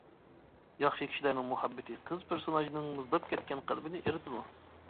ياخشى كىشىلەرنىڭ مۇھەببىتى قىز پېرسوناژنىڭ مۇزلاپ كەتكەن قەلبىنى ئېرىتىدۇ.